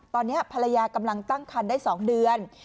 ตอนนี้ภรรยากำลังตั้งคันได้๒เดือน